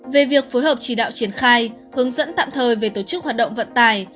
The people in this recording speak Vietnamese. về việc phối hợp chỉ đạo triển khai hướng dẫn tạm thời về tổ chức hoạt động vận tải